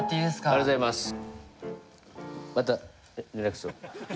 ありがとうございます。